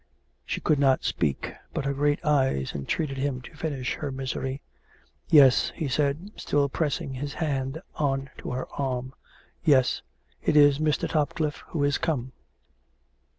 She could not speak, but her great eyes entreated him to finish her misery. " Yes," he said, still pressing his hand on to her arm. " Yes ; it is Mr. Topcliffe who is come."